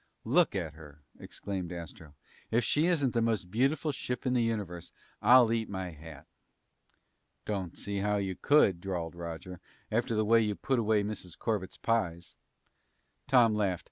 "Look at her!" exclaimed Astro. "If she isn't the most beautiful ship in the universe, I'll eat my hat." "Don't see how you could," drawled Roger, "after the way you put away Mrs. Corbett's pies!" Tom laughed.